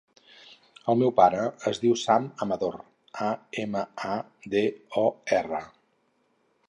El meu pare es diu Sam Amador: a, ema, a, de, o, erra.